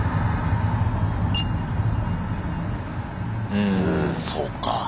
うんそうか。